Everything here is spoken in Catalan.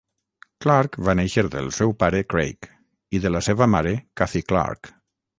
Clark va néixer del seu pare Craig i de la seva mare Cathy Clark.